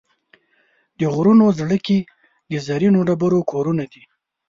د غرونو زړګي د زرینو ډبرو کورونه دي.